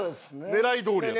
狙いどおりやった。